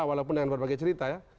walaupun dengan berbagai cerita ya